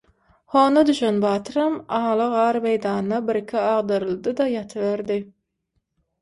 Honda düşen batyram ala gar meýdanda bir-iki agdaryldyda ýatyberdi.